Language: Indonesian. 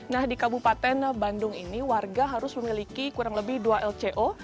nah di kabupaten bandung ini warga harus memiliki kurang lebih dua lco